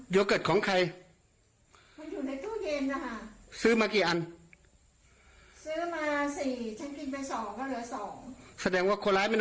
โยเกิร์ตของใครซื้อคนเล็บสู่เดินฟ้าซื้อมาปีอัน